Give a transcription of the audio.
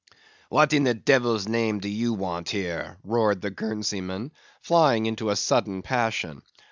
"What in the devil's name do you want here?" roared the Guernseyman, flying into a sudden passion.